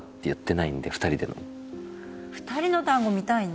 ２人のタンゴ見たいね。